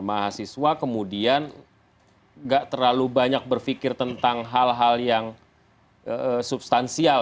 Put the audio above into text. mahasiswa kemudian gak terlalu banyak berpikir tentang hal hal yang substansial